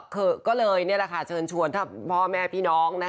ก็เลยเชิญชวนพ่อแม่พี่น้อง